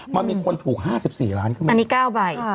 มันมีคนถูก๕๔ล้านขึ้นมาอันนี้๙ใบ